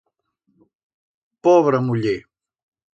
Pobra muller!